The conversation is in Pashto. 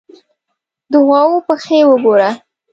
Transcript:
_د غواوو پښې وګوره!